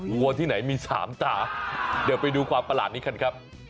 วัวที่ไหนมี๓ตาเดี๋ยวไปดูความประหลาดนี้กันครับ